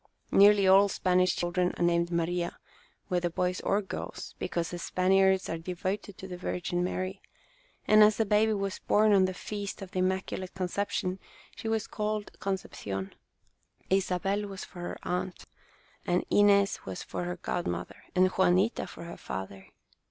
Nearly all Spanish children are named Maria, whether boys or girls, be cause the Spaniards are devoted to the Virgin Mary, and as the baby was born on the Feast of the Immaculate Conception, she was called Concepcion. Isabel was for her aunt, and Inez was for her godmother, and Juanita for her father.